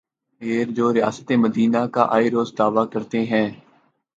یہ جو ریاست مدینہ کا آئے روز دعوی کرتے ہیں۔